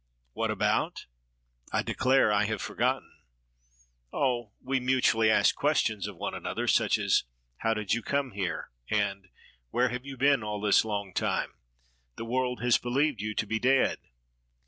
What about ? I declare I have forgotten. Oh! we mutually asked questions of one another, such as: — "How did you come here?" and "Where have you been all this long time? — the world has believed you to be dead."